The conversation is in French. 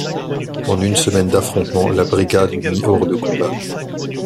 En une semaine d'affrontements la brigade eut mis hors de combat.